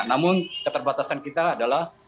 namun keterbatasan kita adalah